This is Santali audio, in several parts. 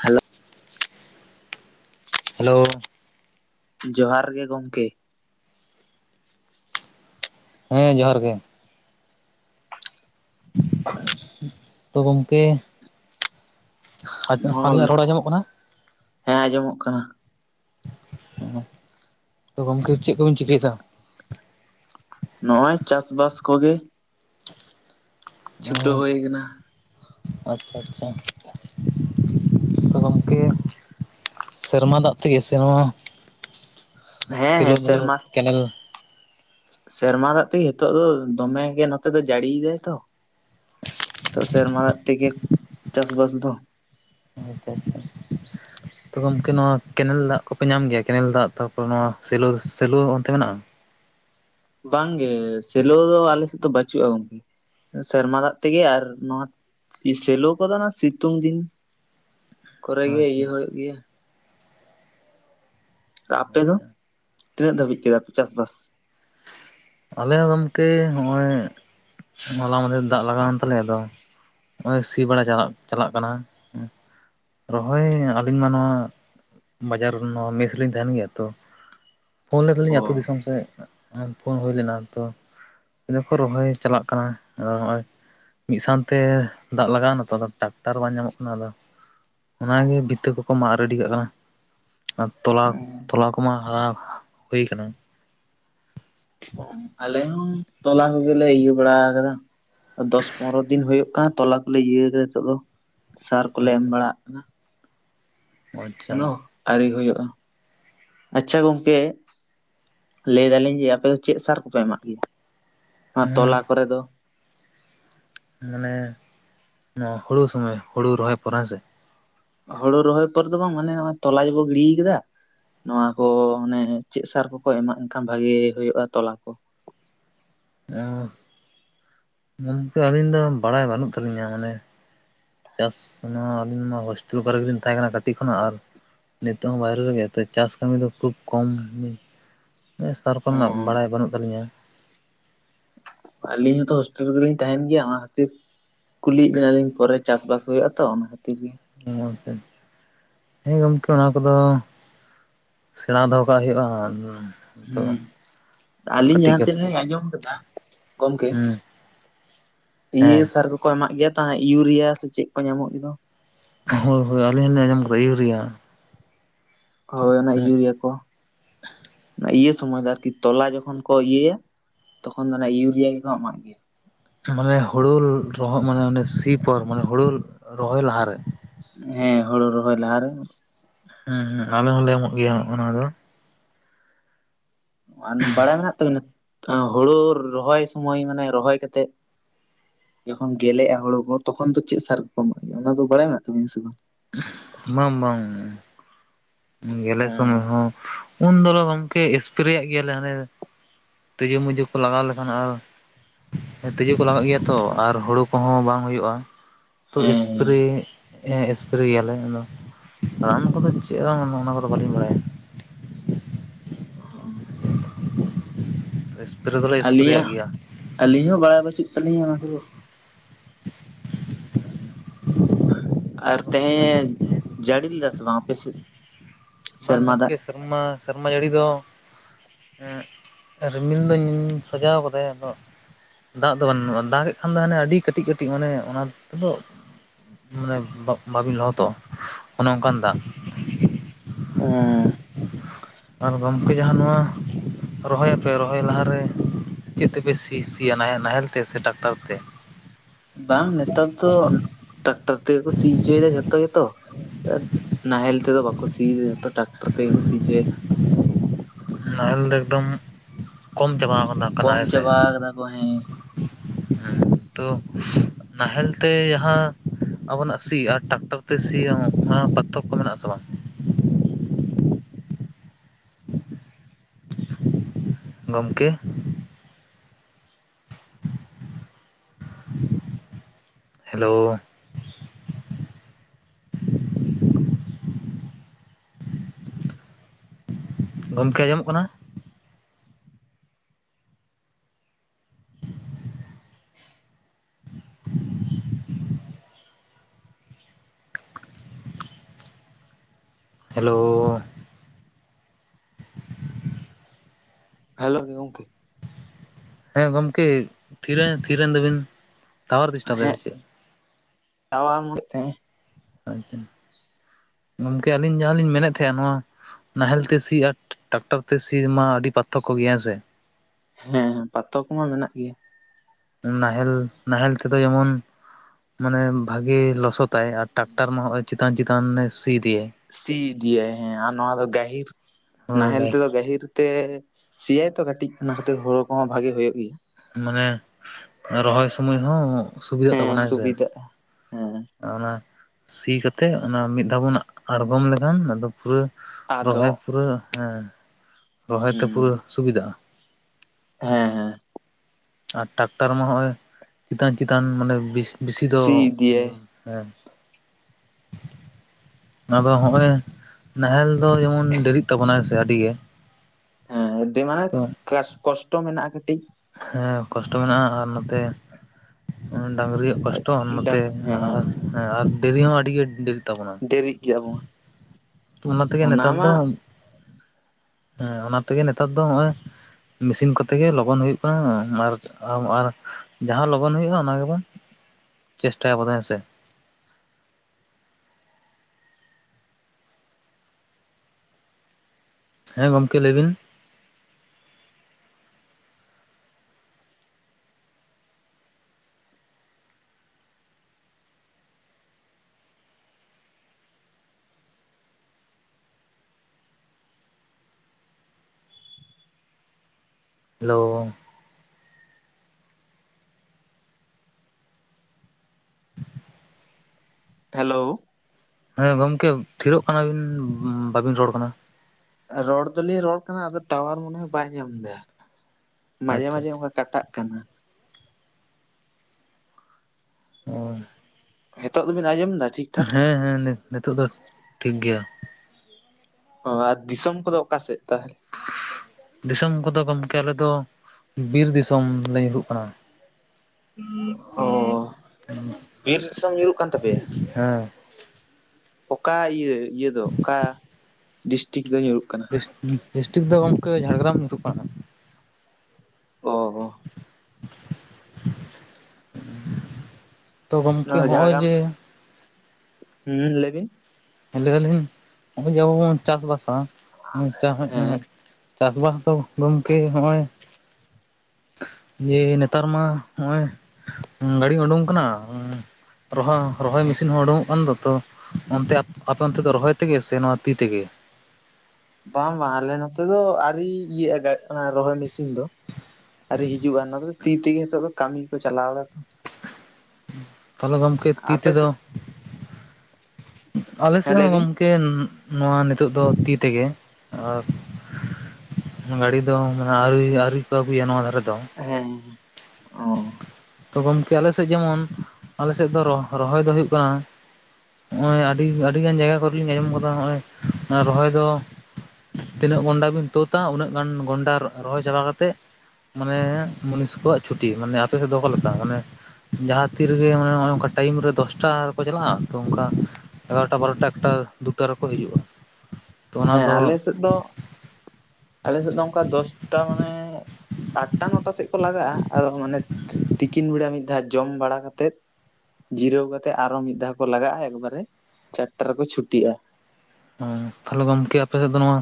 Hello, hello. ᱡᱚᱦᱟᱨ ᱜᱮ ᱜᱚᱢᱠᱮ᱾ ᱦᱮᱸ ᱡᱚᱦᱟᱨ ᱜᱮ᱾ ᱛᱚ ᱜᱚᱝᱠᱮ [unintelligible] ᱦᱚᱸ ᱟᱹᱞᱤᱧᱟᱜ ᱞᱮ ᱨᱚᱲ ᱟᱸᱡᱚᱢᱚᱜ ᱠᱟᱱᱟ? ᱦᱮᱸ ᱟᱸᱡᱚᱢᱚᱜ ᱠᱟᱱᱟ ᱛᱚ ᱜᱚᱝᱠᱮ ᱪᱮᱫ ᱠᱚᱵᱤᱱ ᱪᱤᱠᱟᱹᱭ ᱫᱟ? ᱱᱚᱜᱚᱭ ᱪᱟᱥᱵᱟᱥ ᱠᱚᱜᱮ᱾ ᱪᱷᱩᱴᱟᱹᱣ ᱚ᱾ ᱦᱩᱭ ᱠᱟᱱᱟ ᱟᱪᱪᱷᱟ ᱟᱪᱪᱷᱟ ᱛᱚ ᱜᱚᱢᱠᱮ ᱥᱮᱨᱢᱟ ᱫᱟᱜ ᱛᱮᱜᱮ ᱥᱮ [unintelligible] ᱦᱮᱸ ᱦᱮᱸ ᱥᱮᱞᱳᱢᱮᱞᱳ ᱥᱮᱨᱢᱟ ᱠᱮᱱᱟᱞ᱾ ᱥᱮᱨᱢᱟ ᱫᱟᱜ ᱛᱮᱜᱤ ᱱᱤᱛᱳᱜ ᱫᱚ ᱫᱚᱢᱮ ᱜᱮ ᱱᱚᱛᱮ ᱫᱚ ᱡᱟᱹᱲᱤᱭᱮᱫᱟᱭ ᱛᱚ᱾ ᱛᱚ ᱥᱮᱨᱢᱟ ᱫᱟᱜ ᱛᱮᱜᱮ ᱪᱟᱥ ᱵᱟᱥ ᱫᱚ᱾ ᱟᱪᱪᱷᱟ ᱟᱪᱪ ᱛᱚ ᱜᱚᱝᱠᱮ ᱱᱚᱣᱟ ᱠᱮᱱᱮᱞ ᱫᱟᱜ ᱠᱚᱯᱮ ᱧᱟᱢ ᱜᱮᱭᱟ ᱠᱮᱱᱮᱞ ᱫᱟᱜ ᱛᱟᱨᱯᱚᱨ ᱱᱚᱣᱟ ᱥᱮᱞᱳ ᱥᱮᱞᱳ ᱚᱱᱛᱮ ᱢᱮᱱᱟᱜᱼᱟ? ᱵᱟᱝ ᱜᱮ ᱥᱮᱞᱳ ᱫᱚ ᱟᱞᱮ ᱥᱮᱫ ᱵᱟᱹᱪᱩᱜᱼᱟ ᱜᱚᱝᱠᱮ ᱾ ᱥᱮᱨᱢᱟ ᱫᱟᱜ ᱛᱮᱜᱮ ᱟᱨ ᱱᱚᱣᱟ ᱥᱮᱞᱚ ᱠᱚᱫᱚ ᱚᱱᱟ ᱥᱤᱛᱩᱝ ᱫᱤᱱ᱾ ᱠᱚᱨᱮ ᱜᱮ ᱟᱪᱪᱷᱟ ᱤᱭᱟᱹ ᱦᱩᱭᱩᱜ ᱜᱮᱭᱟ᱾ ᱟᱯᱮ ᱫᱚ ᱛᱤᱱᱟᱹᱜ ᱫᱷᱟᱹᱵᱤᱡ ᱠᱮᱫᱟ ᱯᱮ ᱪᱟᱥᱵᱟᱥ? ᱟᱞᱮ ᱦᱚᱸ ᱜᱚᱢᱠᱮ ᱱᱚᱜ-ᱚᱭ ᱦᱚᱞᱟ ᱢᱟᱫᱷᱮᱨ ᱫᱟᱜ ᱞᱟᱜᱟᱣᱮᱱ ᱛᱟᱞᱮᱭᱟ ᱟᱫᱚ ᱱᱚᱜᱼᱚᱭ ᱥᱤ ᱵᱟᱲᱟ ᱪᱟᱞᱟᱜ ᱪᱟᱞᱟᱜ ᱠᱟᱱᱟ᱾ ᱨᱚᱦᱚᱭ ᱟᱹᱞᱤᱧ ᱢᱟ ᱱᱚᱣᱟ ᱵᱟᱡᱟᱨ ᱱᱚᱣᱟ ᱢᱮᱥ ᱨᱮ ᱞᱤᱧ ᱛᱟᱦᱮᱱ ᱜᱮᱭᱟ ᱛᱚ ᱯᱷᱳᱱ ᱞᱮᱫᱟᱞᱤᱧ ᱚ ᱟᱹᱛᱩ ᱫᱤᱥᱚᱢ ᱥᱮᱫ ᱯᱷᱚᱱ ᱦᱩᱭ ᱞᱮᱱᱟ ᱛᱚ [unintelligible] ᱨᱚᱦᱚᱭ ᱪᱟᱞᱟᱜ ᱠᱟᱱᱟ ᱟ ᱱᱚᱜᱼᱚᱭ᱾ ᱢᱤᱫ ᱥᱟᱶᱛᱮ ᱫᱟᱜ ᱞᱟᱜᱟᱣ ᱮᱱᱟ ᱛᱚ ᱟᱫᱚ ᱴᱟᱠᱴᱟᱨ ᱵᱟᱝ ᱧᱟᱢᱚᱜ ᱠᱟᱱᱟ ᱟᱫᱚ ᱚᱱᱟᱜᱮ ᱵᱷᱤᱛᱟᱹ ᱠᱚᱠᱚ ᱢᱟᱜ ᱨᱮᱰᱤ ᱠᱟᱜ ᱠᱟᱱᱟ ᱾ ᱟᱨ ᱛᱚᱞᱟ ᱛᱚᱞᱟ ᱠᱚᱢᱟ ᱦᱟᱨᱟ ᱦᱩᱭ ᱟᱠᱟᱱᱟ ᱾ ᱟᱞᱮ ᱦᱚᱸ ᱛᱚᱞᱟ ᱠᱚᱜᱮᱞᱮ ᱤᱭᱟᱹ ᱵᱟᱲᱟ ᱟᱠᱟᱫᱟ ᱫᱚᱥ ᱯᱚᱱᱨᱚ ᱫᱤᱱ ᱦᱩᱭᱩᱜ ᱠᱟᱱᱟ ᱛᱚᱞᱟ ᱞᱮ ᱤᱭᱟᱹ ᱠᱮᱫᱟ ᱱᱤᱛᱚᱜ ᱫᱚ ᱥᱟᱨ ᱠᱚᱞᱮ ᱮᱢ ᱟᱪᱪᱷᱟ ᱵᱟᱲᱟᱜ ᱠᱟᱱᱟ ᱾ ᱟᱪᱪᱷᱟ ᱠᱳᱱᱳ ᱟᱹᱨᱤ ᱦᱩᱭᱩᱜᱼᱟ ᱟᱪᱪᱷᱟ ᱜᱚᱝᱠᱮ ᱞᱟᱹᱭ ᱫᱟᱞᱤᱧ ᱡᱮ ᱟᱯᱮ ᱫᱚ ᱪᱮᱫ ᱥᱟᱨ ᱠᱚᱯᱮ ᱮᱢᱟᱜ ᱜᱮᱭᱟ ᱚᱱᱟ ᱦᱮᱸ ᱛᱚᱞᱟ ᱠᱚᱨᱮ ᱫᱚ? ᱢᱟᱱᱮ ᱱᱚᱣᱟ ᱦᱩᱲᱩ ᱥᱚᱢᱚᱭ ᱦᱩᱲᱩ ᱨᱚᱦᱚᱭ ᱯᱚᱨᱮ ᱦᱮᱸ ᱥᱮ ᱦᱳᱲᱩ ᱨᱚᱦᱚᱭ ᱯᱚᱨᱮ ᱫᱚ ᱵᱟᱝ ᱢᱟᱱᱮ ᱱᱚᱣᱟ ᱛᱚᱞᱟ ᱡᱮᱵᱚ ᱜᱤᱰᱤᱭ ᱠᱟᱫᱟ ᱾ ᱱᱚᱣᱟ ᱠᱚ ᱢᱟᱱᱮ ᱪᱮᱫ ᱥᱟᱨ ᱠᱚᱠᱚ ᱮᱢᱟᱜ ᱠᱷᱟᱱ ᱵᱷᱟᱜᱤ ᱦᱩᱭᱩᱜᱼᱟ ᱛᱚᱞᱟ ᱠᱚ? ᱜᱚᱢᱠᱮ ᱟᱹᱞᱤᱧ ᱫᱚ ᱵᱟᱲᱟᱭ ᱵᱟᱹᱱᱩᱜ ᱛᱟᱹᱞᱤᱧᱟ ᱢᱟᱱᱮ ᱪᱟᱥ ᱱᱚᱣᱟ ᱟᱹᱞᱤᱧ ᱢᱟ ᱦᱳᱥᱴᱮᱞ ᱠᱚᱨᱮ ᱜᱮᱞᱤᱧ ᱛᱟᱦᱮᱸ ᱠᱟᱱᱟ ᱠᱟᱹᱴᱤᱡ ᱠᱷᱚᱱᱟᱜ ᱟᱨ ᱱᱤᱛᱚᱜ ᱦᱚᱸ ᱵᱟᱭᱨᱮ ᱨᱮᱜᱮ ᱛᱚ ᱪᱟᱥ ᱠᱟᱹᱢᱤ ᱫᱚ ᱠᱷᱩᱵ ᱠᱚᱢ ᱾ ᱥᱟᱨ ᱠᱚ ᱨᱮᱱᱟᱜ ᱚᱸ ᱵᱟᱲᱟᱭ ᱵᱟᱱᱩᱜ ᱛᱟᱞᱤᱧᱟ ᱾ ᱟᱹᱞᱤᱧ ᱦᱚᱸᱛᱚ ᱦᱳᱥᱴᱮᱞ ᱨᱮᱞᱤᱧ ᱛᱟᱦᱮᱱ ᱜᱮᱭᱟ ᱚᱱᱟ ᱠᱷᱟᱹᱛᱤᱨ ᱠᱩᱞᱤᱭᱮᱫ ᱵᱮᱱᱟᱞᱤᱧ ᱯᱚᱨᱮ ᱪᱟᱥᱵᱟᱥ ᱦᱩᱭᱩᱜᱼᱟ ᱛᱚ ᱚᱱᱟ ᱠᱷᱟᱹᱛᱤᱨ ᱜᱮ ᱾ ᱦᱮᱸ ᱜᱚᱢᱠᱮ ᱚᱱᱟ ᱠᱚᱫᱚ ᱥᱮᱬᱟ ᱫᱚᱦᱚ ᱠᱟᱜ ᱦᱩᱭᱩᱜᱼᱟ ᱛᱚ ᱦᱮᱸ ᱟᱹᱞᱤᱧ ᱡᱟᱦᱟᱸ ᱠᱟᱹᱴᱤᱡ ᱛᱤᱱᱟᱹᱜ ᱞᱤᱧ ᱟᱸᱡᱚᱢ ᱠᱟᱫᱟ ᱜᱚᱝᱠᱮ ᱦᱩᱸ ᱤᱭᱟᱹ ᱦᱮᱸ ᱥᱟᱨ ᱠᱚᱠᱚ ᱮᱢᱟᱜ ᱜᱮᱭᱟ ᱛᱟᱦᱮᱸ ᱤᱭᱩᱨᱤᱭᱟ ᱥᱮ ᱪᱮᱫ ᱠᱚ ᱧᱟᱢᱚᱜ ᱜᱮ ᱫᱚ ᱾ ᱦᱳᱭ ᱦᱳᱭ ᱟᱹᱞᱤᱧ ᱦᱚᱸᱞᱤᱧ ᱟᱸᱡᱚᱢ ᱠᱟᱫᱟ ᱤᱭᱩᱨᱤᱭᱟ ᱾ ᱦᱳᱭ ᱚᱱᱟ ᱤᱭᱩᱨᱤᱭᱟ ᱠᱚ, ᱚᱱᱟ ᱤᱭᱟᱹ ᱥᱚᱢᱚᱭ ᱫᱚ ᱟᱨᱠᱤ ᱛᱚᱞᱟ ᱡᱚᱠᱷᱚᱱ ᱠᱚ ᱤᱭᱟᱹᱭᱟ ᱛᱚᱠᱷᱚᱱ ᱫᱚ ᱚᱱᱟ ᱤᱭᱩᱨᱤᱭᱟ ᱜᱮᱠᱚ ᱮᱢᱟᱜ ᱜᱮᱭᱟ ᱾ ᱢᱟᱱᱮ ᱦᱩᱲᱩ ᱨᱚᱦᱚᱭ ᱢᱟᱱᱮ ᱚᱱᱮ ᱥᱤ ᱯᱚᱨ ᱢᱟᱱᱮ ᱦᱳᱲᱩ ᱨᱚᱦᱚᱭ ᱞᱟᱦᱟᱨᱮ ᱦᱮᱸ ᱦᱩᱲᱩ ᱨᱚᱦᱚᱭ ᱞᱟᱦᱟᱨᱮ᱾ ᱦᱮᱸ ᱦᱮᱸ ᱟᱞᱮ ᱦᱚᱸᱞᱮ ᱮᱢᱚᱜ ᱜᱮᱭᱟ ᱚᱱᱟ ᱫᱚ ᱾ ᱟᱨ ᱵᱟᱲᱟᱭ ᱢᱮᱱᱟᱜ ᱛᱟᱵᱤᱱᱟ ᱦᱩᱲᱩ ᱨᱚᱦᱚᱭ ᱥᱚᱢᱚᱭ ᱢᱟᱱᱮ ᱨᱚᱦᱚᱭ ᱠᱟᱛᱮᱜ ᱡᱚᱠᱷᱚᱱ ᱜᱮᱞᱮᱜᱼᱟ ᱦᱳᱲ ᱠᱚ ᱛᱚᱠᱷᱚᱱ ᱫᱚ ᱪᱮᱫ ᱥᱟᱨ ᱠᱚ ᱮᱢᱚᱜ ᱜᱮᱭᱟ ᱚᱱᱟ ᱫᱚ ᱵᱟᱲᱟᱭ ᱢᱮᱱᱟᱜ ᱛᱟᱵᱤᱱᱟ ᱥᱮ ᱵᱟᱝ? ᱵᱟᱝ ᱵᱟᱝ ᱜᱮᱞᱮ ᱦᱮᱸ ᱥᱚᱢᱚᱭ ᱦᱚᱸ ᱩᱱ ᱫᱚᱞᱚ ᱜᱚᱝᱠᱮ ᱮᱥᱯᱨᱮᱭᱟᱜ ᱜᱮᱭᱟᱞᱮ ᱦᱟᱱᱮ ᱛᱤᱡᱩ ᱢᱤᱡᱩ ᱠᱚ ᱞᱟᱜᱟᱣ ᱞᱮᱠᱷᱟᱱ ᱟᱨ ᱛᱤᱡᱩ ᱠᱚ ᱞᱟᱜᱟᱜ ᱜᱮᱭᱟ ᱛᱚ ᱟᱨ ᱦᱩᱲᱩ ᱠᱚᱦᱚᱸ ᱵᱟᱝ ᱦᱩᱭᱩᱜᱼᱟ ᱾ ᱛᱚ ᱦᱮᱸ ᱮᱥᱯᱮᱨᱮ ᱮᱸ ᱮᱥᱯᱮᱨᱮ ᱜᱭᱟᱞᱮ ᱾ ᱨᱟᱱ ᱠᱚᱫᱚ ᱪᱮᱫ ᱨᱟᱱ ᱚᱱᱟ ᱠᱚᱫᱚ ᱵᱟᱹᱞᱤᱧ ᱵᱟᱲᱟᱭᱟ ᱾ ᱚ ᱮᱥᱯᱨᱮ ᱫᱚᱞᱮ ᱮᱥᱯᱨᱮᱭᱟᱜ ᱟᱹᱞᱤᱧᱟᱜ ᱜᱮᱭᱟ ᱾ ᱟᱹᱞᱤᱧ ᱦᱚᱸ ᱵᱟᱲᱟᱭ ᱵᱟᱹᱪᱩᱜ ᱛᱟᱹᱞᱤᱧᱟ ᱚᱱᱟ ᱠᱚᱫᱚ᱾ [inaudible] ᱟᱨ ᱛᱮᱦᱮᱧ ᱡᱟᱹᱲᱤ ᱞᱮᱫᱟ ᱥᱮ ᱵᱟᱝ ᱟᱯᱮ ᱥᱮᱜ? ᱵᱟᱝ ᱜᱚᱝᱠᱮ ᱥᱮᱨᱢᱟ ᱥᱮᱨᱢᱟ ᱡᱟᱹᱲᱤ ᱫᱚ ᱨᱤᱢᱤᱞ ᱫᱚᱧ ᱥᱟᱡᱟᱣ ᱠᱟᱫᱟᱭ ᱟᱫᱚ ᱫᱟᱜ ᱫᱚ ᱵᱟᱹᱱᱩᱜᱼᱟ ᱫᱟᱜᱮᱜ ᱠᱷᱟᱱ ᱫᱚ ᱦᱟᱱᱮ ᱟᱹᱰᱤ ᱠᱟᱹᱴᱤᱡ ᱠᱟᱹᱴᱤᱡ ᱢᱟᱱᱮ ᱚᱱᱟ ᱛᱮᱫᱚ ᱢᱟᱱᱮ ᱵᱟ-ᱵᱟᱵᱤᱱ ᱞᱚᱦᱚᱫᱚᱜᱼᱟ ᱚᱱᱮ ᱚᱝᱠᱟᱱ ᱫᱟᱜ ᱾ ᱚᱸ ᱟᱨ ᱜᱚᱢᱠᱮ ᱡᱟᱦᱟᱸ ᱱᱚᱣᱟ ᱨᱚᱦᱚᱭ ᱯᱮ ᱨᱚᱦᱚᱭ ᱞᱟᱦᱟᱨᱮ ᱪᱮᱫ ᱛᱮᱯᱮ ᱥᱤ ᱥᱤᱭᱟ ᱱᱟᱦᱮ ᱱᱟᱦᱮᱞ ᱛᱮ ᱥᱮ ᱴᱟᱠᱴᱟᱨ ᱛᱮ? ᱵᱟᱝ ᱱᱮᱛᱟᱨ ᱫᱚ ᱴᱟᱠᱴᱟᱨ ᱛᱮᱜᱮ ᱠᱚ ᱥᱤ ᱦᱚᱪᱚᱭᱫᱟ ᱡᱷᱚᱛᱚ ᱜᱮᱛᱚ ᱾ [inaudible] ᱱᱟᱦᱮᱞ ᱛᱮᱫᱚ ᱵᱟᱠᱚ ᱥᱤᱭᱫᱟ ᱡᱚᱛᱚ ᱴᱟᱠᱴᱚᱨ ᱛᱮᱜᱮ ᱠᱚ ᱥᱤ ᱪᱚᱭᱫᱟ ᱾ ᱱᱟᱦᱮᱞ ᱫᱚ ᱮᱠᱫᱚᱢ ᱠᱚᱢ ᱪᱟᱵᱟᱣᱠᱟᱫᱟ ᱠᱟᱱᱟ ᱠᱚᱢ ᱦᱮᱸᱥᱮ᱾ ᱪᱟᱵᱟ ᱠᱟᱫᱟ ᱠᱚ [inaudible] ᱛᱳ ᱱᱟᱦᱮᱞ ᱛᱮ ᱡᱟᱦᱟᱸ ᱟᱵᱚᱱᱟᱜ ᱥᱤ ᱟᱨ ᱴᱟᱠᱴᱟᱨ ᱛᱮ ᱥᱤ ᱚᱸ ᱚᱱᱟ [inaudible] ᱯᱟᱛᱷᱚᱠ ᱠᱚ ᱢᱮᱱᱟᱜᱼᱟ ᱥᱮ ᱵᱟᱝ? ᱜᱚᱢᱠᱮ ᱦᱮᱞᱳ᱾ [inaudible] [inaudible] ᱜᱚᱝᱠᱮ ᱟᱸᱡᱚᱢᱚᱜ ᱠᱟᱱᱟ? ᱦᱮᱞᱳ᱾ [unintelligible] ᱜᱳᱝᱠᱮ᱾ ᱦᱮᱸ ᱜᱚᱢᱠᱮ ᱛᱷᱤᱨᱮᱸ ᱯᱷᱤᱨᱮᱱ ᱫᱚᱵᱤᱱ ᱴᱟᱣᱟᱨ ᱰᱤᱥᱴᱟᱵᱮᱱᱜᱼᱟᱭ ᱦᱮᱸ ᱥᱮ ᱪᱮᱜ? [unintelligible] ᱟᱪᱪᱷᱟ ᱜᱚᱝᱠᱮ ᱟᱹᱞᱤᱧ ᱡᱟᱦᱟᱸ ᱞᱤᱧ ᱢᱮᱱᱮᱫ ᱛᱟᱦᱮᱸᱜ ᱱᱚᱣᱟ ᱱᱟᱦᱮᱞ ᱛᱮ ᱥᱤ ᱟᱨ ᱴᱟᱠᱴᱚᱨ ᱛᱮ ᱥᱤ ᱢᱟ ᱟᱹᱰᱤ ᱯᱟᱨᱛᱷᱚᱠᱚ ᱜᱮᱭᱟ ᱦᱮᱸ ᱥᱮ᱾ ᱦᱮᱸ ᱦᱮᱸ ᱯᱟᱛᱷᱚᱠᱚ ᱢᱟ ᱢᱮᱱᱟᱜ ᱜᱮᱭᱟ᱾ ᱱᱟᱦᱮᱞ ᱱᱟᱦᱮᱞ ᱛᱮᱫᱚ ᱡᱮᱢᱚᱱ ᱢᱟᱱᱮ ᱵᱷᱟᱜᱮ ᱞᱚᱥᱚᱫᱟᱭ ᱟᱨ ᱴᱟᱠᱴᱟᱨ ᱢᱟ ᱦᱚᱜᱼᱚᱭ ᱪᱮᱛᱟᱱ ᱪᱮᱛᱟᱱᱮ ᱥᱤ ᱤᱫᱤᱭᱟᱭ᱾ ᱥᱤ ᱤᱫᱤᱭᱟᱭ ᱦᱮᱸ ᱟ ᱱᱚᱣᱟ ᱫᱚ ᱜᱟᱹᱦᱤᱨ, ᱦᱳᱭ ᱱᱟᱦᱮᱞ ᱵᱷᱟᱭ ᱛᱮᱫᱚ ᱜᱟᱹᱦᱤᱨ ᱛᱮ ᱥᱤᱭᱟᱭ ᱛᱚ ᱠᱟᱹᱴᱤᱡ ᱚᱱᱟ ᱠᱷᱟᱹᱛᱤᱨ ᱦᱳᱲᱳ ᱠᱚᱦᱚᱸ ᱵᱷᱟᱜᱤ ᱦᱩᱭᱩᱜ ᱜᱮᱭᱟ᱾ ᱢᱟᱱᱮ ᱨᱚᱦᱚᱭ ᱥᱚᱢᱚᱭ ᱦᱚᱸ ᱥᱩᱵᱤᱫᱟᱜ ᱦᱮᱸ ᱛᱟᱵᱚᱱᱟ ᱦᱮᱸᱥᱮ᱾ ᱥᱩᱵᱤᱫᱷᱟᱜᱼᱟ ᱦᱮᱸ ᱚᱱᱟ ᱥᱤ ᱠᱟᱛᱮᱜ ᱚᱱᱟ ᱢᱤᱫ ᱫᱷᱟᱣ ᱵᱚᱱ ᱟᱲᱜᱚᱢ ᱞᱮᱠᱷᱟᱱ ᱱᱟᱫᱚ ᱯᱩᱨᱟᱹ ᱟᱫᱚ ᱨᱚᱦᱚᱭ ᱯᱩᱨᱟᱹ ᱦᱮᱸ ᱨᱚᱦᱚᱭ ᱛᱮ ᱦᱩᱸ ᱯᱩᱨᱟᱹ ᱥᱩᱵᱤᱫᱟᱜᱼᱟ᱾ ᱦᱮᱸ ᱦᱮᱸ ᱟᱨ ᱴᱟᱠᱴᱟᱨ ᱢᱟ ᱦᱚᱸᱜᱼᱚᱭ ᱪᱮᱛᱟᱱ ᱪᱮᱛᱟᱱ ᱢᱟᱱᱮ ᱵᱤᱥ ᱵᱮᱥᱤ ᱫᱚ ᱥᱤ ᱤᱫᱤᱭᱟᱭ ᱦᱮᱸ ᱱᱟᱫᱚ ᱦᱚᱸᱜᱼᱚᱭ ᱱᱟᱦᱮᱞ ᱫᱚ ᱡᱮᱢᱚᱱ ᱰᱮᱨᱤᱜ ᱛᱟᱵᱚᱱᱟᱭ ᱥᱮ ᱟᱹᱰᱤ ᱜᱮ᱾ ᱦᱮᱸ ᱟᱹᱰᱤ ᱢᱟᱱᱮ ᱛᱚ ᱠᱮᱥ ᱠᱚᱥᱴᱚ ᱢᱮᱱᱟᱜᱼᱟ ᱠᱟᱹᱴᱤᱡ᱾ ᱦᱮᱸ ᱠᱚᱥᱴᱚ ᱢᱮᱱᱟᱜᱼᱟ ᱟᱨ ᱱᱚᱛᱮ ᱰᱟᱝᱨᱤᱭᱟᱜ ᱠᱚᱥᱴᱚ ᱱᱚᱛᱮ ᱟ ᱦᱮᱸ ᱟᱨ ᱰᱮᱨᱤ ᱦᱚᱸ ᱟᱹᱰᱤ ᱜᱮ ᱰᱮᱨ ᱛᱟᱵᱚᱱᱟ ᱰᱮᱨᱤᱜ ᱜᱮᱭᱟ ᱵᱚᱱ ᱚᱱᱟ ᱛᱮᱜᱮ ᱱᱮᱛᱟᱨ ᱫᱚ ᱦᱮᱸ ᱚᱱᱟ ᱛᱮᱜᱮ ᱱᱮᱛᱟᱨ ᱫᱚ ᱦᱚᱸᱜᱼᱚᱭ ᱢᱤᱥᱤᱱ ᱠᱚᱛᱮ ᱜᱮ ᱞᱚᱜᱚᱱ ᱦᱩᱭᱩᱜ [inaudible] ᱢᱟᱨᱪ ᱟᱢ ᱟᱨ ᱡᱟᱦᱟᱸ ᱞᱚᱜᱚᱱ ᱦᱩᱭᱩᱜᱼᱟ ᱚᱱᱟ ᱜᱮ ᱵᱚᱱ ᱪᱮᱥᱴᱟᱭᱟᱵᱚ ᱦᱮᱸ ᱥᱮ᱾ ᱦᱮᱸ ᱜᱚᱢᱠᱮ ᱞᱟᱹᱭᱵᱤᱱ᱾ ᱦᱮᱞᱳ ᱦᱮᱞᱳ ᱦᱮᱸ ᱜᱚᱝᱠᱮ ᱛᱷᱤᱨᱚᱜ ᱠᱟᱱᱟᱵᱤᱱ ᱵᱟᱵᱤᱱ ᱨᱚᱲ ᱠᱟᱱᱟ᱾ ᱨᱚᱲ ᱫᱚᱞᱤᱧ ᱨᱚᱲ ᱠᱟᱱᱟ ᱟᱫᱚ ᱴᱟᱣᱟᱨ ᱢᱟᱱᱮ ᱵᱟᱭ ᱧᱟᱢ ᱫᱟ, ᱟᱪᱪᱷᱟ ᱢᱟᱡᱷᱮ-ᱢᱟᱡᱷᱮ ᱟᱪᱪᱷᱟ ᱚᱱᱠᱟ ᱠᱟᱴᱟᱜ ᱠᱟᱱᱟ᱾ ᱟᱨ [inaudible] ᱦᱮᱸᱛᱚᱜ ᱫᱚᱵᱤᱱ ᱟᱸᱡᱚᱢ ᱫᱟ ᱴᱷᱤᱠ, ᱴᱷᱟᱠ ᱦᱮᱸ-ᱦᱮᱸ ᱱᱤᱛᱚᱜ ᱫᱚ ᱴᱷᱤᱠ ᱜᱮᱭᱟ᱾ ᱚ ᱟᱨ ᱫᱤᱥᱚᱢ ᱠᱚᱫᱚ ᱚᱠᱟ ᱥᱮᱫᱽ ᱛᱟᱦᱚᱞᱮ᱾ ᱫᱤᱥᱚᱢ ᱠᱚᱫᱚ ᱜᱚᱢᱠᱮ ᱟᱞᱮ ᱫᱚ, ᱵᱤᱨ ᱫᱤᱥᱚᱢ ᱞᱮ ᱧᱩᱨᱩᱜ ᱠᱟᱱᱟ᱾ ᱚ ᱵᱤᱨ ᱫᱤᱥᱚᱢ ᱧᱩᱨᱩᱜ ᱠᱟᱱ ᱛᱟᱯᱮᱭᱟ᱾ ᱦᱮᱸ ᱚᱠᱟ ᱤᱭᱟᱹ, ᱤᱭᱟᱹ ᱫᱚ ᱚᱠᱟ ᱰᱤᱥᱴᱤᱠ ᱫᱚ ᱧᱩᱨᱩᱜ ᱠᱟᱱᱟ᱾ ᱰᱤᱥᱴᱤᱠ ᱫᱚ ᱜᱚᱢᱠᱮ ᱡᱷᱟᱲᱜᱨᱟᱢ ᱧᱩᱨᱩᱜ ᱠᱟᱱᱟ᱾ ᱚ ᱦᱚ᱾ ᱛᱚ ᱜᱚᱢᱠᱮ ᱱᱚᱣᱟ ᱦᱚᱜᱼᱚᱭ ᱡᱮ, ᱦᱮᱸ ᱞᱟᱹᱭ ᱵᱤᱱ᱾ ᱦᱮᱸ ᱞᱟᱹᱭ ᱫᱟᱞᱤᱧ ᱱᱚᱜᱼᱚᱭ ᱡᱮ ᱟᱵᱚ ᱵᱚᱱ ᱪᱟᱥᱼᱵᱟᱥᱟ, ᱦᱮᱸ ᱪᱟᱥᱼᱵᱟᱥ ᱫᱚ ᱜᱚᱝᱠᱮ ᱦᱚᱸᱜᱼᱚᱭ, ᱡᱮ ᱱᱮᱛᱟᱨ ᱢᱟ ᱱᱚᱜ-ᱚᱭ ᱜᱟᱹᱰᱤ ᱚᱰᱩᱝ ᱟᱠᱟᱱᱟ᱾ ᱨᱚᱦᱟ, ᱨᱚᱦᱚᱭ ᱢᱮᱥᱤᱱ ᱦᱚᱸ ᱚᱰᱚᱝᱚᱜ ᱠᱟᱱ ᱫᱚᱛᱚ ᱚᱱᱛᱮ ᱟ ᱟᱯᱮ ᱚᱱᱛᱮ ᱫᱚ ᱨᱚᱦᱚᱭ ᱛᱮᱜᱮ ᱥᱮ ᱱᱚᱣᱟ ᱛᱤ ᱛᱮᱜᱮ᱾ ᱵᱟᱝ-ᱵᱟᱝ ᱟᱞᱮ ᱱᱚᱛᱮ ᱫᱚ ᱟᱹᱣᱨᱤ ᱤᱭᱟᱹᱜᱼᱟ ᱚᱱᱟ ᱨᱚᱦᱚᱭ ᱢᱮᱥᱤᱱ ᱫᱚ᱾ ᱟᱹᱣᱨᱮ ᱦᱤᱡᱩᱜᱼᱟ ᱱᱚᱛᱮ ᱫᱚ ᱛᱤ ᱛᱮᱜᱮ ᱦᱤᱛᱚᱜ ᱫᱚ ᱠᱟᱹᱢᱤ ᱠᱚ ᱪᱟᱞᱟᱣᱮᱫᱟ ᱛᱚ᱾ ᱛᱟᱦᱚᱞᱮ ᱜᱚᱢᱠᱮ ᱛᱤ ᱟᱯᱮ ᱛᱮᱫᱚ ᱥᱮᱫ ᱟᱞᱮ ᱦᱮᱸ ᱥᱮᱫ ᱦᱚᱸ ᱞᱟᱹᱭ ᱵᱤᱱ ᱜᱚᱢ ᱠᱮ ᱱᱚᱣᱟ ᱱᱤᱛᱚᱜ ᱫᱚ ᱛᱤ ᱛᱮᱜᱮ ᱟᱨ ᱜᱟᱹᱰᱤ ᱫᱚ ᱦᱟᱜ ᱟᱹᱣᱨᱤ, ᱟᱹᱣᱨᱤ ᱠᱚ ᱟᱹᱜᱩᱭᱟ ᱱᱚᱣᱟ ᱫᱷᱟᱨᱮ ᱫᱚ᱾ ᱦᱮᱸ-ᱦᱮᱸ᱾ ᱛᱚ ᱜᱚᱝᱠᱮ ᱟᱞᱮᱥᱮᱫ ᱡᱮᱢᱚᱱ ᱟᱞᱮ ᱥᱮᱫ ᱫᱚ ᱨᱚᱦᱚᱭ ᱫᱚ ᱦᱩᱭᱩᱜ ᱠᱟᱱᱟ᱾ ᱱᱚᱜᱚᱭ ᱟᱹᱰᱤ, ᱟᱹᱰᱤᱜᱟᱱ ᱡᱟᱭᱜᱟ ᱠᱚᱨᱮ ᱞᱤᱧ ᱟᱸᱡᱚᱢ ᱟᱠᱟᱫᱟ ᱱᱚᱜᱼᱚᱭ ᱨᱚᱦᱚᱭ ᱫᱚ, ᱛᱤᱱᱟᱹᱜ ᱜᱚᱱᱰᱟ ᱵᱤᱱ ᱛᱩᱫᱟ ᱩᱱᱟᱹᱜ ᱜᱟᱱ ᱜᱚᱱᱰᱟ ᱨᱚᱦᱚᱭ ᱪᱟᱵᱟ ᱠᱟᱛᱮᱫ, ᱢᱟᱱᱮ ᱢᱩᱱᱤᱥ ᱠᱚᱣᱟᱜ ᱪᱷᱩᱴᱤ ᱢᱟᱱᱮ ᱟᱯᱮ ᱥᱮᱫ ᱫᱚ ᱚᱠᱟ ᱞᱮᱠᱟ ᱢᱟᱱᱮ ᱡᱟᱦᱟᱸ ᱛᱤᱨᱮᱜᱮ ᱚᱱᱮ ᱚᱱᱠᱟ ᱴᱟᱹᱭᱤᱢ ᱨᱮ ᱫᱚᱥᱴᱟ ᱠᱚ ᱪᱟᱞᱟᱜᱼᱟ ᱛᱚ ᱚᱱᱠᱟ, ᱮᱜᱟᱨᱚᱴᱟ ᱵᱟᱨᱚᱴᱟ ᱮᱠᱴᱟ ᱫᱩᱴᱟ ᱨᱮᱠᱚ ᱦᱤᱡᱩᱜᱼᱟ᱾ ᱛᱚ ᱚᱱᱟ ᱦᱮᱸ ᱫᱚ ᱟᱞᱮ ᱥᱮᱫ ᱫᱚ, ᱟᱞᱮᱥᱮᱫ ᱫᱚ ᱚᱱᱠᱟ ᱫᱚᱥᱴᱟ ᱢᱟᱱᱮ ᱟᱴᱴᱟ ᱱᱚᱴᱟ ᱥᱮᱫ ᱠᱚ ᱞᱟᱜᱟᱜᱼᱟ ᱟᱫᱚ ᱢᱟᱱᱮ, ᱛᱤᱠᱤᱱ ᱵᱮᱲᱟ ᱢᱤᱫ ᱫᱷᱟᱣ ᱡᱚᱢ ᱵᱟᱲᱟ ᱠᱟᱛᱮᱫ, ᱡᱤᱨᱟᱹᱣ ᱠᱟᱛᱮᱜ ᱟᱨᱚ ᱢᱤᱫ ᱫᱷᱟᱣ ᱠᱚ ᱞᱟᱜᱟᱜᱼᱟ ᱮᱠᱵᱟᱨᱮ ᱪᱟᱨᱴᱟ ᱨᱮᱠᱚ ᱪᱷᱩᱴᱤᱜᱼᱟ᱾ ᱛᱟᱦᱞᱮ ᱜᱚᱝᱠᱮ ᱟᱯᱮ ᱥᱮᱫ ᱫᱚ ᱱᱚᱣᱟ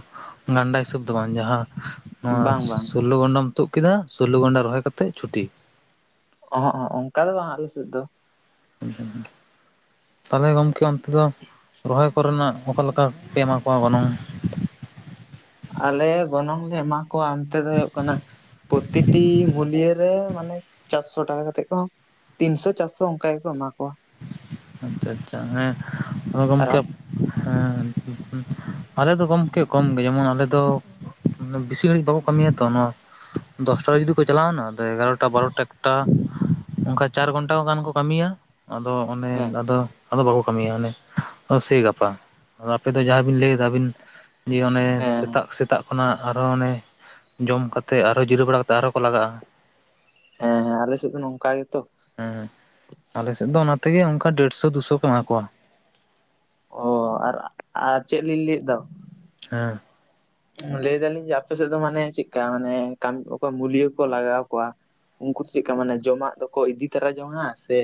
ᱜᱟᱱᱰᱟ ᱦᱤᱥᱟᱹᱵ ᱫᱚ ᱵᱟᱝ ᱡᱟᱦᱟᱸ ᱱᱚᱣᱟ ᱵᱟᱝ ᱵᱟᱝ ᱥᱩ ᱞᱚ ᱜᱚᱸᱰᱟᱢ ᱛᱩᱜ ᱠᱮᱫᱟ ᱥᱩᱞᱚ ᱜᱚᱸᱰᱟ ᱨᱚᱦᱚᱭ ᱠᱟᱛᱮᱫ ᱪᱷᱩᱴᱤ᱾ ᱚᱦᱚᱸᱜ-ᱚᱦᱚᱸᱜ ᱚᱱᱠᱟ ᱫᱚ ᱵᱟᱝ ᱟᱞᱮ ᱥᱮᱫ ᱫᱚ᱾ ᱛᱟᱦᱚᱞᱮ ᱜᱚᱝᱠᱮ ᱚᱱᱛᱮ ᱫᱚ ᱨᱚᱦᱚᱭ ᱠᱚᱨᱮ ᱱᱟᱜ, ᱚᱠᱟ ᱞᱮᱠᱟ ᱯᱮ ᱮᱢᱟ ᱠᱚᱣᱟ ᱜᱚᱱᱚᱝ᱾ ᱟᱞᱮ ᱜᱚᱱᱚᱝ ᱞᱮ ᱮᱢᱟ ᱠᱚᱣᱟ ᱚᱱᱛᱮ ᱫᱚ ᱦᱩᱭᱩᱜ ᱠᱟᱱᱟ᱾ ᱯᱨᱚᱛᱤᱴᱤ ᱢᱩᱞᱭᱟᱹ ᱨᱮ ᱢᱟᱱᱮ ᱪᱟᱨᱥᱚ ᱴᱟᱠᱟ ᱠᱟᱛᱮᱫ ᱠᱚ ᱛᱤᱱᱥᱚ ᱪᱟᱨᱥᱚ ᱚᱱᱠᱟ ᱜᱮᱠᱚ ᱮᱢᱟ ᱠᱚᱣᱟ᱾ ᱟᱪᱪᱷᱟ ᱟᱪᱪᱷᱟ ᱦᱮᱸ [unintelligible] ᱟᱨ ᱜᱚᱢᱠᱮ ᱟᱯ- ᱦᱮᱸ ᱟᱞᱮ ᱫᱚ ᱜᱚᱢᱠᱮ ᱠᱚᱢ ᱜᱮ ᱡᱮᱢᱚᱱ, ᱟᱞᱮ ᱫᱚ ᱢᱟᱱᱮ ᱵᱮᱥᱤ ᱜᱷᱟᱹᱲᱤᱡ ᱵᱟᱵᱚ ᱠᱟᱹᱢᱤᱭᱟ ᱛᱚ ᱱᱚᱣᱟ ᱫᱚᱥᱴᱟ ᱨᱮ ᱡᱩᱫᱤ ᱠᱚ ᱪᱟᱞᱟᱣᱮᱱᱟ ᱮᱜᱟᱨᱚᱴᱟ ᱵᱟᱨᱚᱴᱟ ᱮᱠᱴᱟ ᱚᱱᱠᱟ ᱪᱟᱨ ᱜᱷᱚᱱᱴᱟ ᱜᱟᱱ ᱠᱚ ᱠᱟᱹᱢᱤᱭᱟ᱾ ᱟᱫᱚ ᱚᱱᱮ ᱦᱮᱸ ᱟᱫᱚ ᱟᱫᱚ ᱵᱟᱠᱚ ᱠᱟᱹᱢᱤᱭᱟ ᱚᱱᱮ ᱥᱮ ᱜᱟᱯᱟ ᱟᱫᱚ ᱟᱯᱮ ᱫᱚ ᱡᱟᱸᱦᱟᱵᱤᱱ ᱞᱟᱹᱭᱮᱫ ᱟᱹᱵᱤᱱ ᱡᱮ ᱚᱱᱮ ᱦᱮᱸ ᱥᱮᱛᱟᱜ ᱥᱮᱛᱟᱜ ᱚᱱᱟ ᱟᱨᱦᱚ ᱚᱱᱮ ᱡᱚᱢ ᱠᱟᱛᱮᱫ ᱟᱨᱚᱸ ᱡᱤᱨᱟᱹᱣ ᱵᱟᱲᱟ ᱠᱟᱛᱮᱫ ᱟᱨᱚᱸ ᱠᱚ ᱞᱟᱜᱟᱜᱼᱟ᱾ ᱦᱮᱸ ᱦᱮᱸ ᱟᱞᱮ ᱥᱮᱫ ᱫᱚ ᱱᱚᱝᱠᱟ ᱜᱮᱛᱚ᱾ ᱦᱩᱸ ᱱᱤᱛᱚᱜ ᱫᱚ ᱚᱱᱟ ᱛᱮᱜᱮ ᱚᱱᱠᱟ ᱰᱮᱲᱥᱚ ᱫᱩᱥᱚ ᱠᱚ ᱮᱢᱟ ᱠᱚᱣᱟ᱾ ᱚ ᱟᱨ ᱟᱨ ᱪᱮᱫ ᱞᱤᱧ ᱞᱟᱹᱭᱮᱫ ᱫᱚ᱾ ᱦᱮᱸ ᱞᱟᱹᱭ ᱫᱟᱞᱤᱧ ᱡᱮ ᱟᱯᱮ ᱥᱮᱫ ᱫᱚ ᱢᱟᱱᱮ ᱪᱮᱫᱠᱟ ᱢᱟᱱᱮ ᱠᱟᱢᱤ ᱠᱚ ᱢᱩᱞᱭᱚ ᱠᱚ ᱞᱟᱜᱟᱣ ᱠᱚᱣᱟ? ᱩᱱᱠᱩ ᱫᱚ ᱪᱮᱫᱠᱟ ᱢᱟᱱᱮ ᱡᱚᱢᱟᱜ ᱫᱚᱠᱚ ᱤᱫᱤ ᱛᱚᱨᱟ ᱡᱚᱝᱟ ᱥᱮ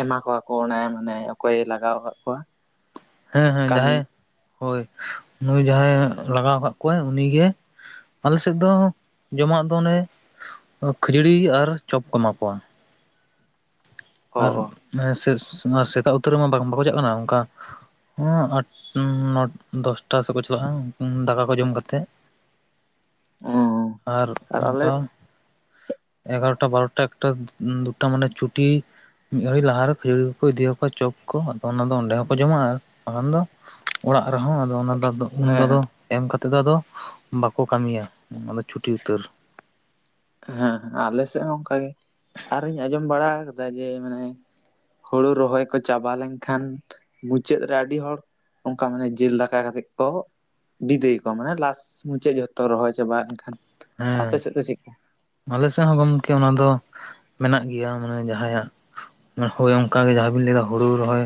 ᱮᱢᱟ ᱠᱚᱣᱟ ᱠᱚ ᱚᱱᱮ ᱢᱟᱱᱮ ᱚᱠᱚᱭᱮ ᱞᱟᱜᱟᱣ ᱟᱠᱟᱫ ᱠᱚᱣᱟ᱾ ᱦᱮᱸ ᱦᱮᱸ ᱠᱟᱹᱢᱤ ᱡᱟᱸᱦᱟᱭ ᱦᱚᱭ ᱱᱩᱭ ᱡᱟᱸᱦᱟᱭ ᱞᱟᱜᱟᱣ ᱠᱟᱫ ᱠᱚᱣᱟᱭ ᱩᱱᱤ ᱜᱮ᱾ ᱟᱞᱮ ᱥᱮᱫ ᱫᱚ ᱡᱚᱢᱟᱜ ᱫᱚ ᱚᱱᱮ ᱠᱷᱟᱹᱡᱟᱹᱲᱤ ᱟᱨ ᱪᱚᱯ ᱠᱚ ᱮᱢᱟ ᱠᱚᱣᱟ᱾ ᱚ ᱟᱨ ᱢᱮ ᱥᱮ ᱥ ᱥᱮᱛᱟᱜ ᱩᱛᱟᱹᱨ ᱨᱮᱢᱟ ᱵᱟᱝ ᱵᱟᱠᱚ ᱪᱟᱞᱟᱜ ᱠᱟᱱᱟ, ᱚᱱᱠᱟ᱾ ᱦᱩᱸ ᱟᱴ ᱱᱚᱴ ᱫᱚᱥᱴᱟ ᱥᱮᱫ ᱠᱚ ᱪᱟᱞᱟᱜᱼᱟ, ᱫᱟᱠᱟ ᱠᱚ ᱡᱚᱢ ᱠᱟᱛᱮᱜ᱾ [unintelligible] ᱚ ᱟᱨ ᱚᱱᱠᱟ ᱮᱜᱟᱨᱚᱴᱟ ᱵᱟᱨᱳᱚᱴᱟ ᱮᱠᱴᱟ ᱩ ᱫᱩᱴᱟ ᱢᱟᱱᱮ ᱪᱷᱩᱴᱤ᱾ ᱢᱤᱫ ᱜᱷᱟᱹᱲᱤ ᱞᱟᱦᱟ ᱨᱮ ᱠᱷᱟᱹᱡᱟᱹᱲᱤ ᱠᱚᱠᱚ ᱤᱫᱤ ᱭᱟᱠᱚᱣᱟ ᱪᱚᱯ ᱠᱚ ᱟᱫᱚ ᱚᱱᱟ ᱫᱚ ᱚᱸᱰᱮ ᱦᱚᱸᱠᱚ ᱡᱚᱢᱟ ᱟᱨ ᱵᱟᱠᱷᱟᱱ ᱫᱚ ᱚᱲᱟᱜ ᱨᱮᱸᱦᱚ ᱟᱫᱚ ᱚᱱᱟ ᱫᱚ ᱟᱫᱚ᱾ ᱩᱱ ᱫᱚ ᱦᱮᱸ ᱟᱫᱚ ᱮᱢ ᱠᱟᱛᱮᱫ ᱫᱚ ᱟᱫᱚ ᱵᱟᱠᱚ ᱠᱟᱹᱢᱤᱭᱟ ᱚᱱᱟᱫᱚ ᱪᱷᱩᱴᱤ ᱩᱛᱟᱹᱨ᱾ ᱦᱮᱸ ᱟᱞᱮ ᱥᱮᱫ ᱦᱚᱸ ᱚᱱᱠᱟ ᱜᱮ, ᱟᱨᱤᱧ ᱟᱸᱡᱚᱢ ᱵᱟᱲᱟ ᱠᱟᱫᱟ ᱡᱮ ᱢᱟᱱᱮ ᱦᱩᱲᱩ ᱨᱚᱦᱚᱭ ᱠᱚ ᱪᱟᱵᱟ ᱞᱮᱱᱠᱷᱟᱱ᱾ ᱢᱩᱪᱟᱹᱫ ᱨᱮ ᱟᱹᱰᱤ ᱦᱚᱲ ᱚᱱᱠᱟ ᱢᱟᱱᱮ ᱡᱤᱞ ᱫᱟᱠᱟ ᱠᱟᱛᱮᱫ ᱠᱚ ᱵᱤᱫᱟᱹᱭ ᱠᱚ ᱢᱟᱱᱮ ᱞᱟᱥ ᱢᱩᱪᱟᱹᱫ ᱡᱷᱚᱛᱚ ᱨᱚᱦᱚᱭ ᱪᱟᱵᱟᱜ ᱮᱱᱠᱷᱟᱱ, ᱦᱮᱸ ᱟᱯᱮ ᱥᱮᱫ ᱫᱚ ᱪᱮᱫᱠᱟ? ᱟᱞᱮ ᱥᱮᱫ ᱦᱚᱸ ᱜᱚᱢᱠᱮ ᱚᱱᱟ ᱫᱚ ᱢᱮᱱᱟᱜ ᱜᱮᱭᱟ, ᱢᱟᱱᱮ ᱡᱟᱸᱦᱟᱭᱟᱜ ᱦᱳᱭ ᱚᱱᱠᱟ ᱜᱮ ᱡᱟᱸᱦᱟ ᱵᱤᱱ ᱞᱟᱹᱭ ᱮᱫᱟ ᱦᱩᱲᱩ ᱨᱚᱦᱚᱭ᱾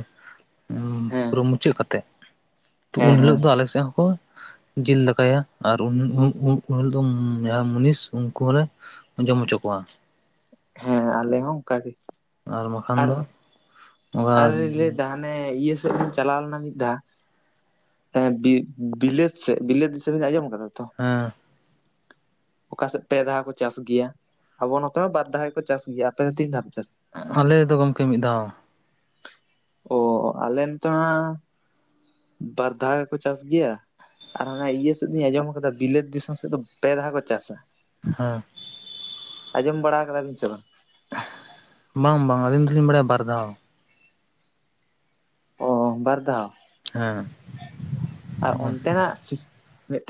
ᱩ ᱦᱮᱸ ᱯᱩᱨᱟᱹ ᱢᱩᱪᱟᱹᱫ ᱠᱟᱛᱮᱜ, ᱦᱮᱸ ᱩᱱ ᱦᱮᱸ ᱦᱤᱞᱳᱜ ᱫᱚ ᱟᱞᱮ ᱥᱮᱫ ᱦᱚᱸᱠᱚ ᱡᱤᱞ ᱫᱟᱠᱟᱭᱟ ᱟᱨ ᱩᱱ ᱩ ᱩ ᱩᱱᱤᱞᱚᱜ ᱫᱚ ᱡᱟᱸᱦᱟ ᱢᱩᱱᱤᱥ ᱩᱱᱠᱩ ᱦᱚᱸᱞᱮ ᱡᱚᱢ ᱦᱚᱪᱚ ᱠᱚᱣᱟ᱾ ᱦᱮᱸ ᱟᱞᱮ ᱦᱚᱸ ᱚᱝᱠᱟ ᱜᱮ᱾ ᱟᱨ ᱵᱟᱠᱷᱟᱱ ᱫᱚ ᱚᱱᱠᱟ ᱟᱨ ᱞᱤᱧ ᱞᱟᱹᱭᱫᱟ ᱦᱟᱱᱮ ᱤᱭᱟᱹ ᱥᱮᱫ ᱞᱤᱧ ᱪᱟᱞᱟᱣ ᱞᱮᱱᱟ ᱢᱤᱫ ᱫᱷᱟᱣ᱾ ᱦᱮᱸ ᱵᱤ ᱵᱤᱞᱟᱹᱛ ᱥᱮᱫ, ᱵᱤᱞᱟᱹᱛ ᱫᱤᱥᱚᱢ ᱵᱮᱱ ᱟᱸᱡᱚᱢ ᱟᱠᱟᱫᱟ ᱛᱚ? ᱦᱮᱸ [unintelligible] ᱚᱠᱟᱥᱮᱫ ᱯᱮ ᱫᱷᱟᱣ ᱠᱚ ᱪᱟᱥ ᱜᱮᱭᱟ, ᱟᱵᱚ ᱱᱚᱛᱮ ᱢᱟ ᱵᱟᱨ ᱫᱷᱟᱣ ᱜᱮᱠᱚ ᱪᱟᱥ ᱜᱮᱭᱟ᱾ ᱟᱯᱮ ᱫᱚ ᱛᱤᱱ ᱫᱷᱟᱣ ᱯᱮ ᱪᱟᱥ ᱜᱮᱭᱟ? ᱟᱞᱮ ᱫᱚ ᱜᱚᱢᱠᱮ ᱢᱤᱫ ᱫᱷᱟᱣ᱾ ᱚ ᱟᱞᱮ ᱱᱚᱛᱮ ᱢᱟ ᱵᱟᱨ ᱫᱷᱟᱣ ᱜᱮᱠᱚ ᱪᱟᱥ ᱜᱮᱭᱟ ᱾ ᱟᱨ ᱦᱟᱱᱮ ᱤᱭᱟᱹ ᱥᱮᱫ ᱫᱚᱧ ᱟᱸᱡᱚᱢ ᱟᱠᱟᱫᱟ ᱵᱤᱞᱟᱹᱛ ᱫᱤᱥᱚᱢ ᱥᱮᱫ ᱫᱚ ᱯᱮ ᱫᱷᱟᱣ ᱠᱚ ᱪᱟᱥᱟ ᱾ ᱦᱮᱸ ᱟᱸᱡᱚᱢ ᱵᱟᱲᱟ ᱠᱟᱫᱟ ᱵᱤᱱ ᱥᱮ ᱵᱟᱝ᱾ ᱵᱟᱝ ᱵᱟᱝ ᱟᱹᱞᱤᱧ ᱫᱚᱞᱤᱧ ᱵᱟᱲᱟᱭᱟ ᱵᱟᱨ ᱫᱷᱟᱣ᱾ ᱚ ᱵᱟᱨ ᱫᱷᱟᱣ᱾ ᱦᱮᱸ ᱟᱨ ᱚᱱᱛᱮ ᱱᱟᱜ ᱢᱤᱫᱴᱮᱱ